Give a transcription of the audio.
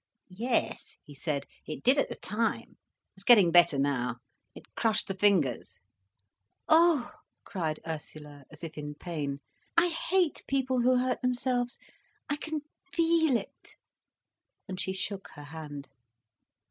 "Yes," he said. "It did at the time. It's getting better now. It crushed the fingers." "Oh," cried Ursula, as if in pain, "I hate people who hurt themselves. I can feel it." And she shook her hand.